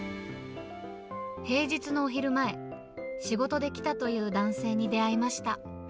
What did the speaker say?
平日のお昼前、仕事で来たという男性に出会いました。